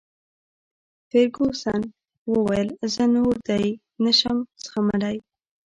فرګوسن وویل: زه نور دی نه شم زغملای.